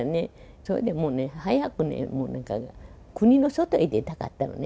それでもうね、早くもうね、だから国の外に出たかったのね。